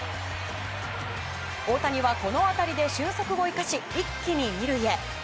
大谷はこの当たりで俊足を生かし一気に２塁へ。